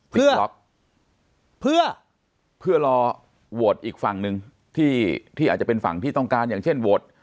เพื่อรอโหวตอีกฝั่งหนึ่งที่อาจจะเป็นฝั่งที่ต้องการอย่างเช่นโหวต